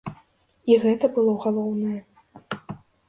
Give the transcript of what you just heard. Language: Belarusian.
І гэта было галоўнае.